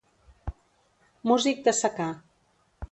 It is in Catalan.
Músic de secà.